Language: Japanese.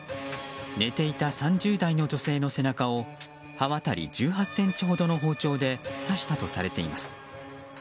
寝ていた３０代の女性の背中を刃渡り１８ｃｍほどの包丁で刺したとされています。